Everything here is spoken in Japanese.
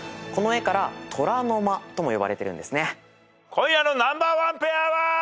今夜のナンバーワンペアは。